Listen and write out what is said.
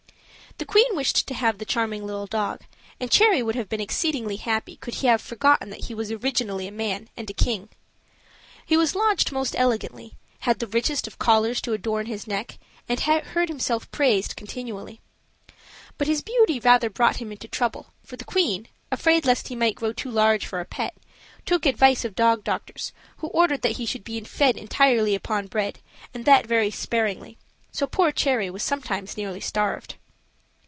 The queen wished to have the charming little dog; and Cherry would have been exceedingly happy could he have forgotten that he was originally a man and a king. He was lodged most elegantly, had the richest of collars to adorn his neck, and heard himself praised continually. But his beauty rather brought him into trouble, for the queen, afraid lest he might grow too large for a pet, took advice of dog doctors, who ordered that he should be fed entirely upon bread, and that very sparingly; so poor Cherry was sometimes nearly starved.